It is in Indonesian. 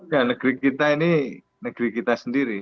ya negeri kita ini negeri kita sendiri